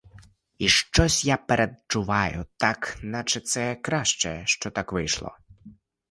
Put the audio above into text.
І щось я передчуваю — так наче це краще, що так вийшло.